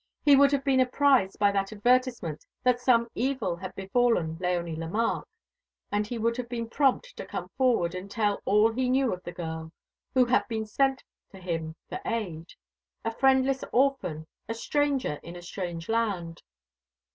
He would have been apprised by that advertisement that some evil had befallen Léonie Lemarque, and he would have been prompt to come forward and tell all he knew of the girl who had been sent to him for aid, a friendless orphan, a stranger in a strange land.